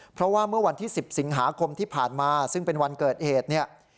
เพราะว่าเมื่อวันที่๑๐สิงหาคมที่ผ่านมาซึ่งเป็นวันเกิดเหตุเนี่ย